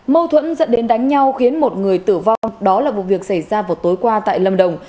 mâu thuẫn dẫn đến đánh nhau khiến một người tử vong đó là vụ việc xảy ra vào tối qua tại lâm đồng